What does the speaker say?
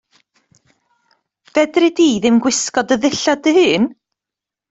Fedri di ddim gwisgo dy ddillad dy hun?